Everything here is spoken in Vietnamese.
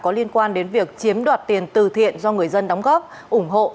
có liên quan đến việc chiếm đoạt tiền từ thiện do người dân đóng góp ủng hộ